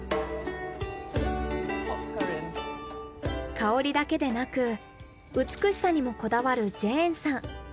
香りだけでなく美しさにもこだわるジェーンさん。